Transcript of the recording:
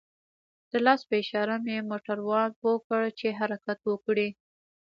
د لاس په اشاره مې موټروان پوه كړ چې حركت وكړي.